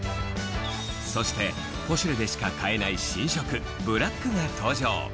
そして『ポシュレ』でしか買えない新色ブラックが登場